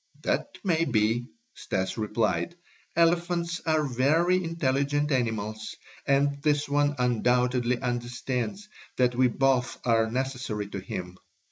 '" "That may be," Stas replied. "Elephants are very intelligent animals and this one undoubtedly understands that we both are necessary to him.